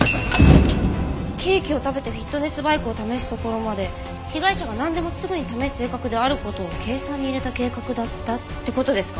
ケーキを食べてフィットネスバイクを試すところまで被害者がなんでもすぐに試す性格である事を計算に入れた計画だったって事ですか？